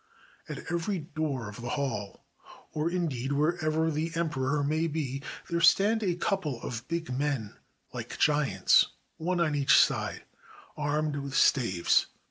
At every door of the hall, or, indeed, wherever the emperor may be, there stand a couple of big men like giants, one on each side, armed with staves.